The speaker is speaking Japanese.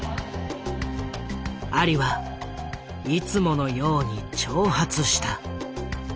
アリはいつものように挑発した。